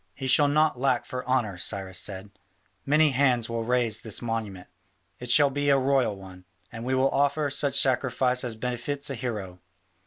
"He shall not lack for honour," Cyrus said; "many hands will raise his monument: it shall be a royal one; and we will offer such sacrifice as befits a hero.